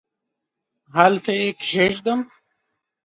هلته یې کښېږدم ؟؟